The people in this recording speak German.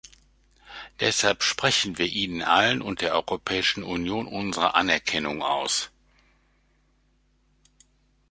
Deshalb sprechen wir ihnen allen und der Europäischen Union unsere Anerkennung aus.